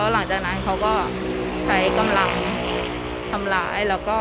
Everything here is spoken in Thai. หลังจากนั้นเขาก็ใส่กำลังทำลาย